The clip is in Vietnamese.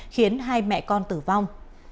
khiến hai mẹ con tử vong